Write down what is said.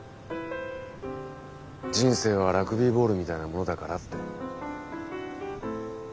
「人生はラグビーボールみたいなものだから」って。